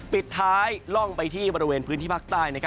ปิดท้ายล่องไปที่บริเวณพื้นที่ภาคใต้